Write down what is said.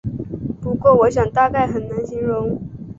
不过我想大概很难形容